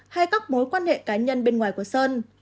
hay các mối quan hệ cá nhân bên ngoài của sơn